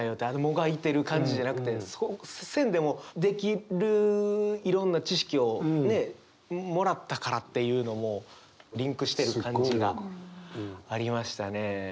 あのもがいてる感じじゃなくてそうせんでもできるいろんな知識をねもらったからっていうのもリンクしてる感じがありましたね。